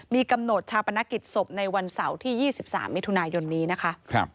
มีกำหนดชาปนกิจศพในวันเสาร์ที่๒๓มิถุนายนนี้นะคะ